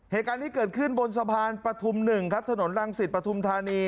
เหตุการณ์นี้เกิดขึ้นบนสะพานปฐุม๑ครับถนนรังสิตปฐุมธานี